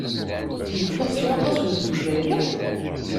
Yekkat s waṭas udfel dagi?